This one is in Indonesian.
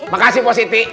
makasih pak siti